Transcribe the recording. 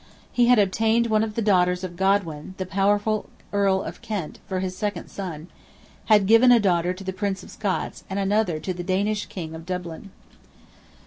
He had obtained one of the daughters of Godwin, the powerful Earl of Kent, for his second son; had given a daughter to the Prince of Scots, and another to the Danish King of Dublin.